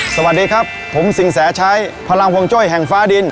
สวัสดีครับผมสินแสชัยพลังวงจ้อยแห่งฟ้าดิน